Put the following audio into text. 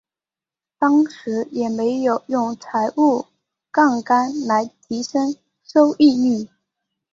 当然也没有用财务杠杆来提升收益率。